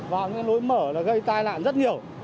và những lối mở gây tai nạn rất nhiều